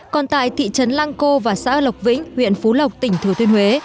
còn tại thị trấn lăng cô và xã lộc vĩnh huyện phú lộc tỉnh thừa thiên huế